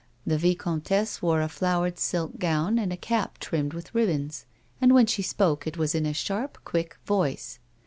The vicomtesse wore a flowered silk gown and a cap trimmed with ribbons, and when she spoke it was in a sharp, quick voice.